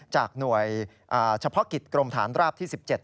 จากหน่วยเฉพาะกิจกรมฐานราบที่๑๗